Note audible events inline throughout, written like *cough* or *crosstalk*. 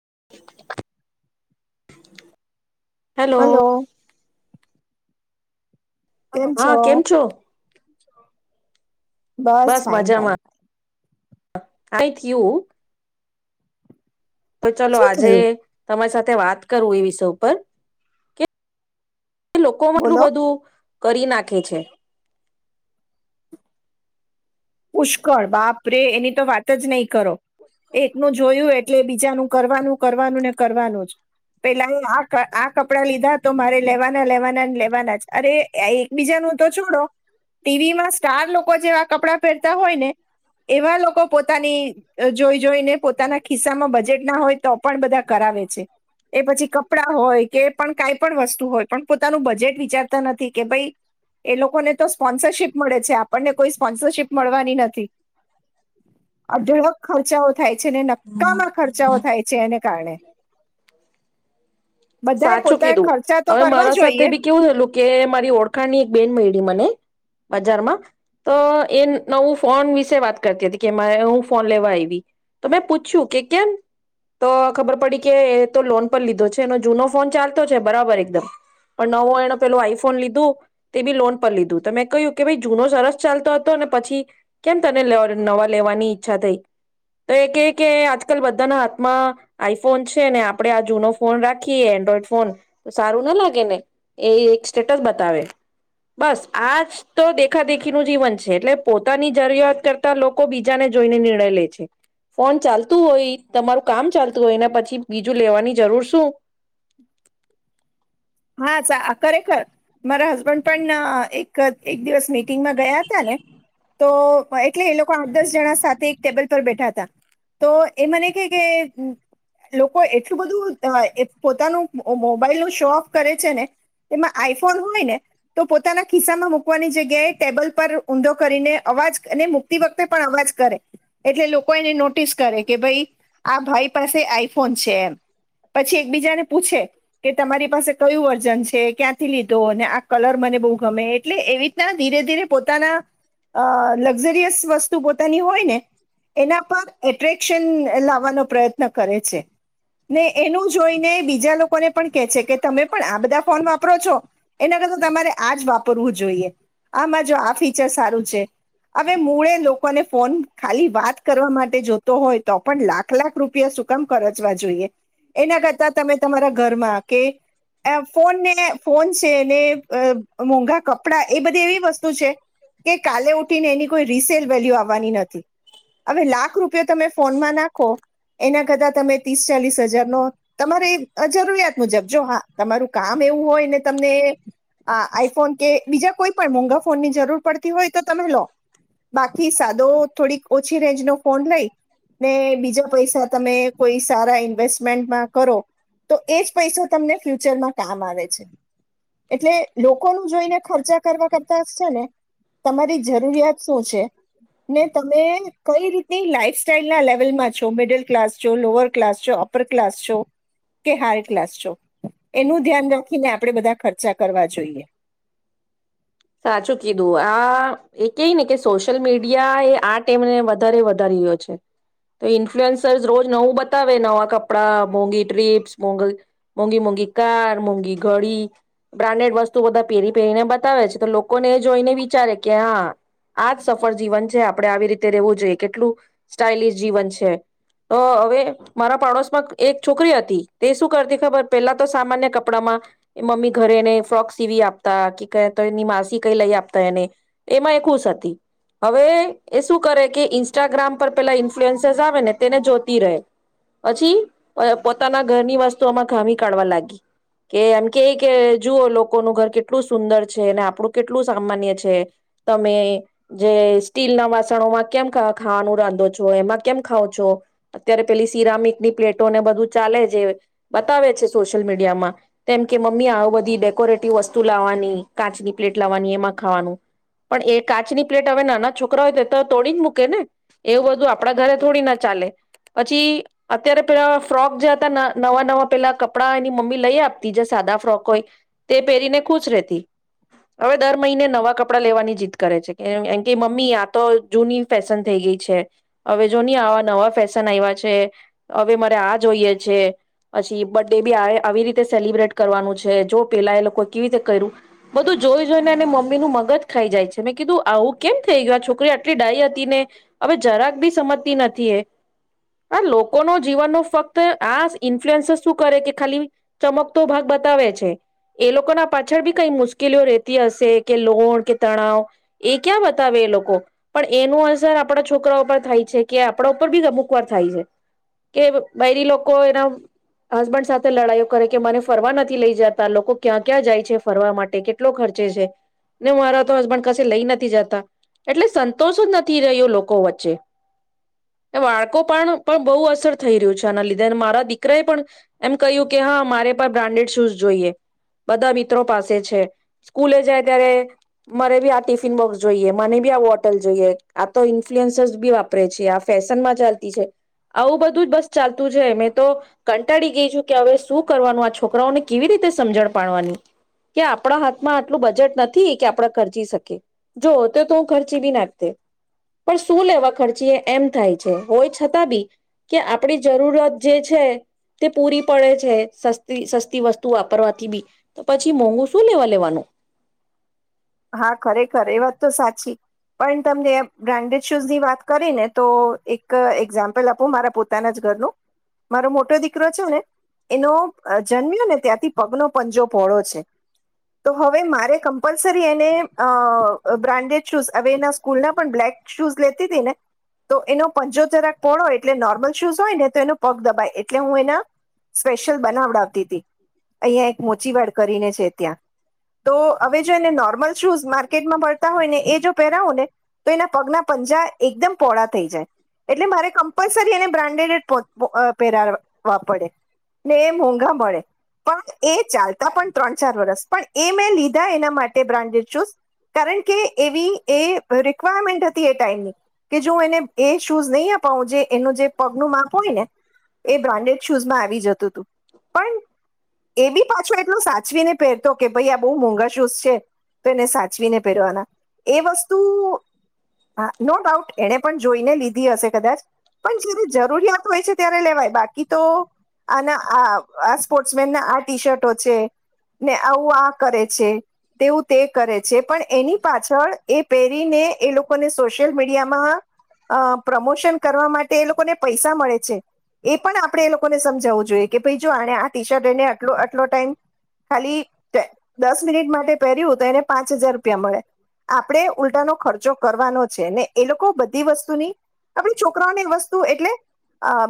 *inaudible* Hello. Hello હા કેમ છો? *inaudible* બસ ફાઇન ફાઇન *unintelligible* યું તો ચલો શું આજે થયું તમારી સાથે વાત કરું એ વિષય ઉપર કે લોકો માં આટલું બોલો બધું. કરી નાખે છે. પુષ્કળ બાપરે એની તો વાત જ નહીં કરો. એક ન જોયું એ એટલે બીજાનું કરવાનું કરવાનું ને કરવાનું જ પેલા એ આ આ કપડાં લીધા તો મારે લેવાના લેવાના ને લેવાના જ અરે એકબીજાનું તો છોડો ટીવી માં સ્ટાર લોકો જેવા કપડા તા હોય ને એવા લોકો પોતાની જોઈ જોઈને પોતાના ખિસ્સામાં બજેટ ના હોય તો પણ બધા કરાવે છે એ પછી કપડા હોય કે પણ કઈ પણ વસ્તુ હોય પણ પોતાનું બજેટ વિચારતા નથી કે ભાઈ એ લોકોને તો સ્પોન્સ મળે છે આપણને કોઈ સ્પોન્સરશીપ મળવાની નથી અઢળક ખર્ચાઓ થાય છે ને નક્કામાં ખર્ચાઓ થાય છે એને કારણે બધાએ સાચું પોતા કીધું ખર્ચા તો હવે કરવા મારા સાથે જોઈએ બી કેવું થયેલું કે મારી ઓળખાણની એક બેન મળી મને બજારમાં તો એ નવું ફોન વિશે વાત કરતી હતી કે મારે હું ફોન લેવા આવી તો મેં પૂછ્યું કે કેમ તો ખબર પડી કે એ તો લોન પર લીધો છે એનો જૂનો ફોન ચાલતો છે બરાબર એકદમ પણ નવો એનો પેલું આઈફોન લીધું તે બી લોન પર લીધું તો મે કહ્યું કે ભાઈ જૂનો સરસ ચાલતો હતો ને પછી કેમ તને નવા લેવાની ઈચ્છા થઈ તો એ કે કે આજકાલ બધાના હાથમાં આઈફોન છે ને આપણે આ જૂનો ફોન રાખીએ એન્ડ્રોઈડ ફોન તો સારું ના લાગે ને એ એક સ્ટેટસ બતાવે બસ આ જ તો દેખા દેખીનું જીવન છે એટલે પોતાની જરૂરિયાત કરતા લોકો બીજાને જોઈને નિર્ણય લે છે ફોન ચાલતું હોય તમારું કામ ચાલતું હોય ને પછી બીજું લેવાની જરૂર શું *inaudible* હા સા અ ખરેખર મારા હસબન્ડ પણ એક એક દિવસ મે મિટિંગ મા ગયા તા ને તો વાઈ એટલે એ લોકો આઠ દસ જણા સાથે એક ટેબલ પર બેઠા હતા તો એ મને કે કે લોકો એટલું બધું પોતાનું મોબાઈલ નું શોખ કરે છેને એમાં આઈફોન હોય ને તો પોતાના ખિસ્સામાં મૂકવાની જગ્યાએ ટેબલ પર ઊંડો કરીને અવાજ ને મૂકતી વખતે પણ અવાજ કરે એટલે લોકો એને નોટિસ કરે કે ભાઈ આ ભાઈ પાસે આઈફોન છે એમ પછી એકબીજાને પૂછે કે તમારી પાસે કયું વર્ઝન છે ક્યાંથી લીધો ને આ કલર મને બહુ ગમે એટલે એવી રીતના ધીરે ધીરે પોતાના લક્ઝરિયસ વસ્તુ પોતાની હોય ને એના પર એટ્રેક્શન લાવવાનો પ્રયત્ન કરે છે ને એનું જોઈને બીજા લોકોને પણ કહે છે કે તમે પણ આ બધા ફોન વાપરો છો એના કરતા તમારે આજ વાપરવું જોઈએ આમાં જો આ ફીચર સારું છે હવે મૂળે લોકોને ફોન ખાલી વાત કરવા માટે જોતો હોય તો પણ લાખ લાખ રૂપિયા સુકામ ખરચવા જોઈએ એના કરતા તમે તમારા ઘરમાં કે ફોનને ફોન છેને મોંઘા કપડાં એ બધી એવી વસ્તુ છે કે કાલે ઉઠીને એની કોઈ રિસેલ વેલ્યુ આવવાની નથી હવે લાખ રૂપિયો તમે ફોનમાં નાખો એના કરતાં તમે ત્રીસ ચાલીસ હજારનો તમારી જરૂરિયાત મુજબ જો હા તમારું કામ એવું હોય ને તમને આ આઈફોન કે બીજા કોઈ પણ મોઘા ફોનની જરૂર પડતી હોય તો તમે લો. બાકી સાદો થોડીક ઓછી રેન્જ નો ફોન લઈ ને બીજા પૈસા તમે કોઈ સારા ઇન્વેસ્ટમેન્ટમાં કરો. તો એ જ પૈસો તમને ફ્યુ *unintelligible* કામ આવે છે. એટલે લોકો ન જોઈને ખર્ચા કરવા કરતા છે ને તમારી જરૂરિયાત શું છે ને તમે કઈ રીતની લાઈફ સ્ટાઇલના લેવલમાં છો, મિડલ ક્લાસ છો, લોઅર ક્લાસ છો, અપર ક્લાસ છો કે હાયર ક્લાસ છો. એનું ધ્યાન રાખીને આપડે બધા ખર્ચા કરવા જોઈએ. સાચું કીધું. આ-આ-આ એ કેય ને કે સોશિયલ મીડિયા એ આ તમને વધારે વધારી રહ્યો છે. તો ઈન્ફ્લુએન્સર રોજ નવું બતાવે નવા કપડા, મોંઘી ટ્રીપ્સ, મો મોંઘી મોંઘી કાર, મોંઘી ઘડી, બ્રાન્ડેડ વસ્તુ બધા પેરી પહેરન બતાવે છે. તો લોકોને જોઈને વિચારે કે હા આ જ સફળ જીવન છે. આપડે આવી રીતે રેવું જોઈએ, કેટલું સ્ટાઈલિશ જીવન છે. તો હવે મારા પાડોશમાં એક છોકરી હતી તે શું કરતી ખબર? પેલા તો સામાન્ય કપડામાં મમ્મી ઘરેને ફ્રોક સીવી આપ તા *unintelligible* ની માસી કઈ લઈ આપતા એને. એમાં એક ખુશ હતી. હવે એ એ શું કરે કે ઇન્સ્ટાગ્રામ પર પેલા ઇન્ફલુઅન્સર આવે ને તેને જોતી રહે, પછી પ પોતાના ઘરની વસ્તુઓમાં ખામી કાઢવા લાગી કે એમ કે કે જુઓ લોકોનું ઘર કે ટલુ સુંદર છે અને આપણું કેટલું સામાન્ય છે તમે જે સ્ટીલ ના વાસણોમાં કેમ ખા ખાવાનું રાંધો છો, એમાં કેમ ખાવ છો, અત્યારે પેલી સિરામિકની પ્લેટો ને બધું ચાલે જે બતાવે છે સોશિયલ મીડિયામાં કેમ કે મમ્મી આ બધી ડેકોરેટિવ વસ્ લાવાની, કાચની પ્લેટ લાવવાની એમાં ખાવાનું પણ એ કાચની પ્લેટ હવે નાના છોકરાઓ હોય તો તો તોડીને મૂકે ને એવું બધું આપડા ઘરે થોડી ના ચાલે. પછી અત્યારે પેલા ફ્રોક જે હતા ના નવા નવા પેલા કપડા એની મમ્મી લઈ આપતી જે સાદા ફ્રોક હોય તે પહેરીને ખુશ રેતી હવે દર મહિને નવા કપડાં લેવાની જીદ કરે છે કે મમ્મી આ તો જૂની ફેશન થઈ ગઈ છે. હવે જો નહી આવા નવા ફેશન આયવા છે હવે મારે આ જોઈએ છે, પછી બર્ ડે બી આ આવી રીતે સેલિબ્રેટ કરવાનું છે જો પેલા એ લોકો કી રીતે કરું? બધું જોઈ જોઈને મે મમ્મી નું મગજ ખાઈ જાય છે. મેં કીધું આવું કેમ થઈ ગયું આ છોકરી આટલી ડાય હતી ને હવે જરાક બી સમજતી નથી એ. આ લોકોનો જીવનનો ફક્ત આજ ઈન્ફ્લુએન્સર શું કરે કે ખાલી ચમકતો ભાગ બતાવે છે. એ લોકોના પાછળ બી કઈ મુશ્કેલીઓ રેતી હશે કે લોણ કે તણાવ એ ક્યાં બતાવે એ લોકો પણ એનું અસર આપણા છોકરા ઉપર થાય છે કે આપણા ઉપર બી અમુક વાર થાય છે કે બયરી લોકો એના હસબન્ડ સાથે લડાઈઓ કરે કે મને ફરવા નથી લઈ જતા લોકો ક્યાં ક્યાં જાય છ ફરવા માટે કેટલો ખર્ચે છે, ને મારા તો હસબન્ડ કસે લઈ નથી જતા. એટલે સંતોષ જ નથી રહ્યો લોકો વચ્ચે *unintelligible* તો બહુ અસર થઈ રહ્યું છે આના લીધે મારા દીકરા એ પણ એમ કહ્યું કે હા મારે પણ બ્રાન્ડેડ શૂઝ જોઈએ. બધાની ત્રો પાસે છે. સ્કૂલે જાય ત્યારે મરે બી આ ટિફિન બોક્સ જોઈએ, મને બી આ બોટલ જોઈએ, આ તો ઇન્ફ્લુઅન્સસ બી વાપરે છે, આ ફેશન માં ચાલતી છે. આવું બધું જ બસ ચાલતું છે, મેં તો કંટાળી ગઈ છું કે હવે શું કરવાનું આ છોકરાઓને કેવી રીતે સમજણ પાડવાની. કે આપણા હાથમાં આટલું બજેટ ન કે કે આપડા ખર્ચી શકીએ. જો તો તો હું ખર્ચી બી નાખ તે. પણ શું લેવા ખર્ચીએ એમ થાય છે, હોય છતાં બી કે આપડી જરૂરત જે છે તે પૂરી પડે છે, સસ્તી સસ્તી વસ્તુ વાપરવાથી બી પછી મોંઘુ શું લેવા લેવાનું. હા ખરેખર એ વાત તો સાચી. પણ તમને બ્રાન્ડેડ શૂઝ ની વાત કરી ને તો એક એકઝામ્પલ આપો મારા પોતાના જ ઘરનો. મારો મોટો દીકરો છે ને એનો જન્મ્યો ને ત્યાંથી પગનો પંજો પહોળો છે, તો હવે મારે કમ્પલસ કે એને અ-અ-અ બ્રાન્ડેડ શૂઝ હવે એના સ્કૂલ ના પણ બ્લેક શૂઝ લેતી તી ને તો એનો પંચો જરાક પોળોય એટલે નોર્મલ શૂઝ હોય ને તો એનો પગ દબાય. એટલે હું એના સ્પેશિયલ બનાવડાવતી તી અહીયાં એક મોચી વાડ કરીને છે. ત્યાં તો હવે જો એને નોર્મલ શૂઝ માર્કેટમાં મળતા હોયને એ જો પહેરાવો ને તો એના પગના પંજા એકદમ પોળા થઈ જાય એટલે મારે કંપલસરી એને બ્રાન્ડેડ પ પ અ પહેરાવ વા પડે ને એ મોંઘા મળે પણ એ ચાલતા પણ ત્રણ ચાર વરસ પણ એ મેં લીધા એના માટે બ્રાન્ડેડ શૂઝ કારણ કે એવી એ રિકવાયરમેન્ટ હતી એ ટાઈમની કે જો એને એ શૂઝ નહી અપાવું જે એનું જે પગનું માપો એ બ્રાન્ડેડ શૂઝમાં આવી જતું હતું પણ. એ બી પાછો એટલું સાચવીને પહેરતો કે ભાઈ આ બહુ મોંઘ સૂઝ છે તો એને સાચવીને પહેરવાના એ વસ્તુ. ત નો ડાઉટ એણે પણ જોઈને લીધી હશે કદાચ પણ જયારે જરૂરિયાત હોય છે ત્યારે લેવાય બાકી કિ તો આના સ્પોર્ટસમન ના આ ટી શર્ટો છે ને આવું આ કરે છે. તેવું તે કરે છે પણ એની પાછળ એ પહેરીને એ લોકોને સોશિયલ મીડિયામાં અ પ્રમોશન કરવા માટે એ લોકોને પૈસા મળે છે, એ પણ આપણે એ લોકોને સમજાવવું જોઈએ કે ભઈ જો આણે આ ટીશર્ટ એને આટલો આટલો ટાઈમ ખાલી દસ મિનિટ પહેર્યું તો એને પાંચ હજાર રૂપિયા મળે. આપણે ઉલટાનો ખર્ચો કરવાનો છે ને એ લોકો બધી વસ્તુની આપણી છોકરાઓની વસ્તુ એટલે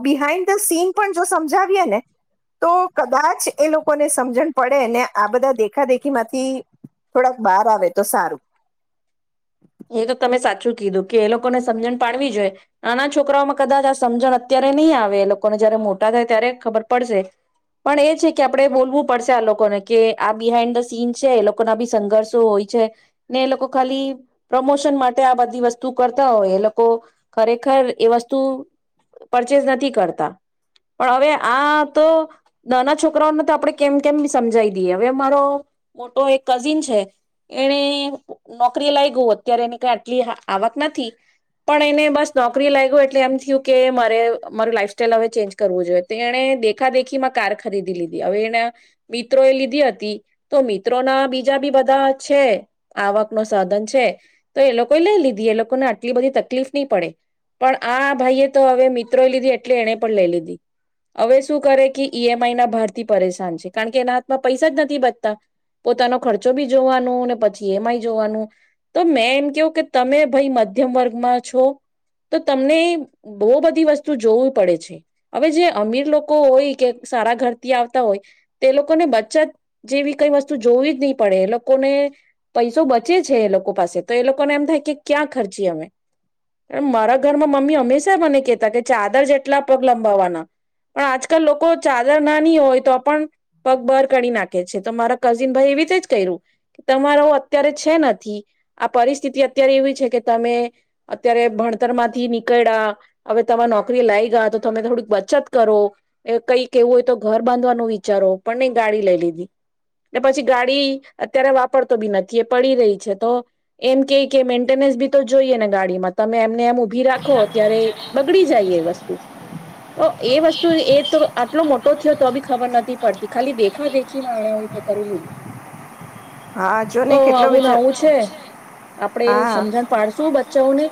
બિહાઈન્ડ ધ સીન પણ જો સમજાવીએ ને તો કદાચ એ લોકોને સમજણ પડે ને આ બધા દેખા દેખી માંથી થોડાક બહાર આવે તો સારું. એ તો તમે સાચું કીધું કે એ લોકોને સમજણ પાડવી જોઈ નાના છોકરાઓમાં કદાચ આ સમજણ અત્યારે નહી આવે એ લોકોને જયારે મોટા થાય ત્યારે ખબર પડશે પણ એ છે કે આપડણે બોલવું પડશે આ લોકોને કે આ બિહાાઈન્ડ ધ સીન છે એ લોકો ના બી સંઘર્ષો હોય છે ને એ લોકો ખાલી પ્રમોશન માટે આ બધી વસ્તુ કરતા હોય એ લોકો ખરેખર એ વસ્તુ પરચેસ નથી કરતા, પણ હવે આ તો નાના છોકરાઓને તો આપણેે કેમ કેમ સમજાવી દઈએ હવે મારો મોટો એક કઝિન છે એને નોકરી લાઈ ગયું અત્યારે એને કઈ આટલી આવક નથી, પણ એને બસ નોકરી લઈ ગય એટલે એમ થયું કે મારે માર લાઈફ સાઈલ હવે ચેન્જ કરવું જોઈએ તો એણે દેખા દેખી માં કાર ખરીદી લીધી હવે એના મિત્રો એ લીધી હતી. તો મિત્રોના બીજા બી બધા છે આવક ન સાધન છે તો એ લોકોએ લઈ લીધી એ લોકોને આટલી બધી તકલીફ નહી પડે, પણ આ ભાઈએ તો હવે મિત્રો લીધી એટલે એણે પણ લઈ લીધી હવે શું કરે કે ઈ એમ આઈ ના ભારથી પરેશાન છે કારણ કે એના હાથમાં પૈસા જ નથી બ પોતાનો ખર્ચો બી જોવાનું ને પછી એમ આઈ જોવાનું. તો મેં એમ કેવું કે તમે ભઈ મધ્યમ વર્ગમાં છો તો તમને બહુ બધી વસ્તુ જોવી પડે છે, હવે જે અમીર લોકો હોય કે સારા ઘરથી આવતા હોય તે લોકોને બચત. જેવી કઈ વસ્તુ જોવી જ નહી પડે એ લોકોને પૈસો બચે છે એ લોકો પાસે તો એ લોકોને એમ થાય કે ક્યાં ખર્ચીએ અમે, મારા ઘરમાં મમ્મી હંમેશા મને કેહેતા કે ચાદર જેટલા પગ લંબાવવાના પણ આજકાલ લોકો ચાદર નાની હોય તો પણ પગ બહાર કરી નાખે. છે તો મારા કઝિન ભાઈ એવી રીતે જ કર્યું કે તમારા અત્યારે છે નથી આ પરિસ્થિતિ અત્યારે એવી છે કે, તમે અત્યારે ભણતર માંથી નીકળ્યા હવે તમારે નોકરી લઈગા તો તમે થોડીક બચત કરો એ કઈ કેવું હોય તો ઘર બાંધવાનું વિચારો પણ નહી ગાડી લઈ લીધી. પછી ગાડી અત્યારે વાપરતો બી નથી એ પડી રહી છે તો એમ કે કે મેન્ટેનન્સ બી તો જોઈએ ને ગાડીમાં તમે એમને એમ ભી રાખો ત્યારે બગડી જાય એ વસ્તુ. તો એ વસ્તુ એ *unintelligible* મોટો થ્યો તો બી ખબર નતી પડતી, ખાલી દેખા દે ખીમાં આણે હોય તે કરી લીધું. હા જો તો ને કેટલો આવું વિચાર નવું છે, આપડે સમજણ પાડશું બચ્ચાઓને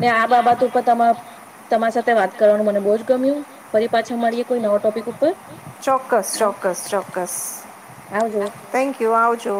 ને આ બાબત ઉપર તમા તમાર સાથે વાત ચોક્કસ ચોક્કસ ચોક્કસ. આવજો થેન્ક યુ આવજો.